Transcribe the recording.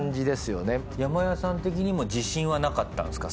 ヤマヤさん的にも自信はなかったんですか？